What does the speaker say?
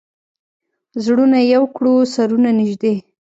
زړونه یو کړو، سرونه نژدې